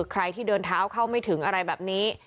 ใครที่เดินเท้าเข้าไม่ถึงอะไรแบบนี้